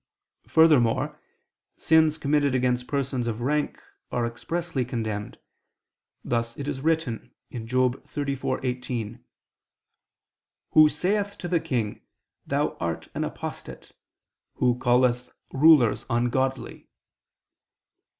Furthermore sins committed against persons of rank are expressly condemned: thus it is written (Job 34:18): "Who saith to the king: 'Thou art an apostate'; who calleth rulers ungodly."